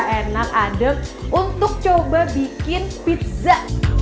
enak adek untuk coba bikin pizza